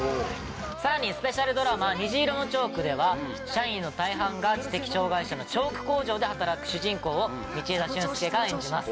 さらにスペシャルドラマ『虹色のチョーク』では社員の大半が知的障がい者のチョーク工場で働く主人公を道枝駿佑が演じます。